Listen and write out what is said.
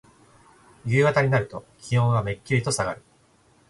夕方になると気温はめっきりとさがる。